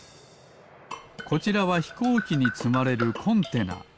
こちらはひこうきにつまれるコンテナ。